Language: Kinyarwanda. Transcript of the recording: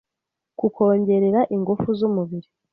Kukongerera ingufu z 'umubiri